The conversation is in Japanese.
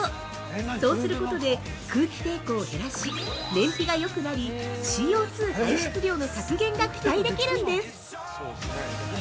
そうすることで空気抵抗を減らし燃費がよくなりＣＯ２排出量の削減が期待できるんです！